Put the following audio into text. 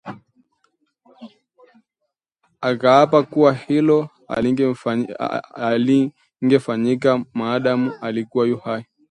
Akaapa kuwa hilo halingefanyika maadamu alikuwa yu hai